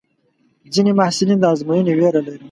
ځینې محصلین د ازموینې وېره لري.